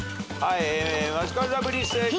マヂカルラブリー正解。